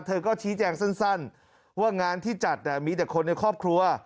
เธอก็ชี้แจงสั้นว่างานที่จัดมีแต่คนในครอบครัว